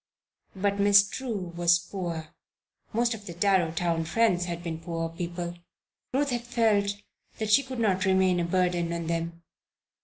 But Miss True was poor; most of the Darrowtown friends had been poor people. Ruth had felt that she could not remain a burden on them.